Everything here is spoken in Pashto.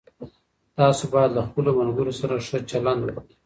تاسو باید له خپلو ملګرو سره ښه چلند وکړئ.